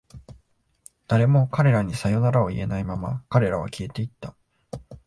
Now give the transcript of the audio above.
誰も彼らにさよならを言えないまま、彼らは消えていった。